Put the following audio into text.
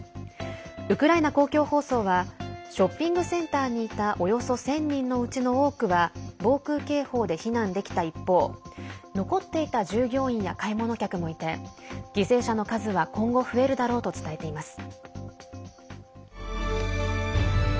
ウクライナ公共放送はショッピングセンターにいたおよそ１０００人のうちの多くは防空警報で避難できた一方残っていた従業員や買い物客もいて犠牲者の数は今後増えるだろうと伝えています。